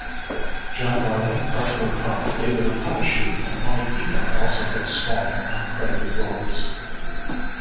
John Marley, Arthur O'Connell, David Opatoshu, and Molly Picon also had small, uncredited roles.